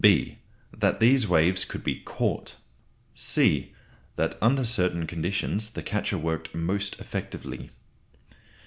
(b) That these waves could be caught. (c) That under certain conditions the catcher worked most effectively.